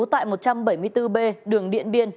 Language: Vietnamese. tại một trăm bảy mươi bốn b đường điện biên